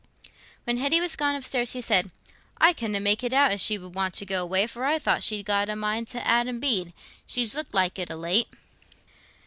When Hetty was gone upstairs he said, "I canna make it out as she should want to go away, for I thought she'd got a mind t' Adam Bede. She's looked like it o' late."